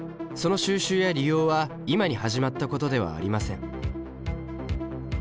その収集や利用は今に始まったことではありません。